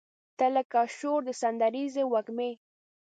تۀ لکه شور د سندریزې وږمې